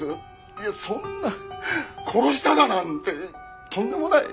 いやそんな殺しただなんてとんでもない。